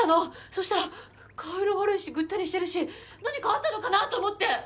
そしたら顔色悪いしぐったりしてるし何かあったのかなと思って。